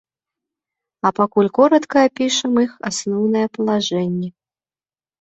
А пакуль коратка апішам іх асноўныя палажэнні.